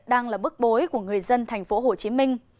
đang là bức bối của người dân thành phố hồ chí minh